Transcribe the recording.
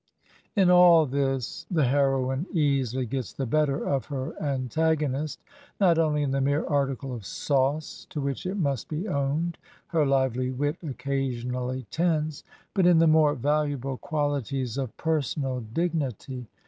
In all this the heroine easily gets the better of her an4 tagonist not only in the mere article of sauce, to which/ it must be owned her lively wit occasionally tends, bu/ 47 Digitized by VjOOQIC HEROINES OF FICTION in the more va luable qualities of person al dignity